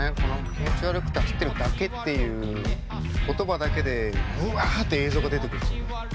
「気持ち悪くて走ってるだけ」っていう言葉だけでうわって映像が出てくる。ね。